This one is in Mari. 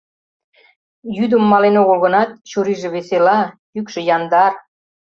Йӱдым мален огыл гынат, чурийже весела, йӱкшӧ яндар.